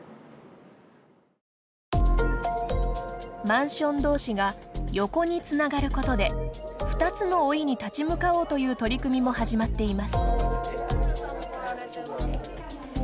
マンション同士が横につながることで２つの老いに立ち向かおうという取り組みも始まっています。